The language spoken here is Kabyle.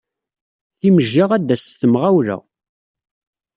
Timejja ad d-tass s temɣawla